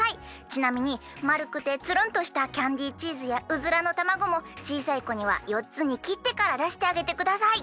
ちなみにまるくてつるんとしたキャンディーチーズやウズラのたまごもちいさいこには４つにきってからだしてあげてください。